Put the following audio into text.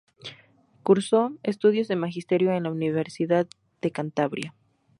Cursó estudios de Magisterio en la Universidad de Cantabria.